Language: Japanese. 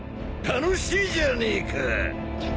楽しいじゃねえか！